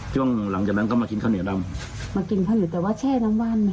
ช่วงหลังจากนั้นก็มากินข้าวเหนียวดำมากินข้าวเหนียวแต่ว่าแช่น้ำว่านไหม